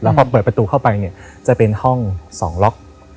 พอเปิดประตูเข้าไปเนี่ยจะเป็นห้อง๒ล็อก